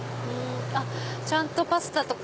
ちゃんとパスタとか。